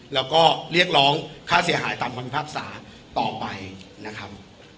แล้วก็เรียกร้องค่าเสียหายตามคำพิพากษาต่อไปนะครับ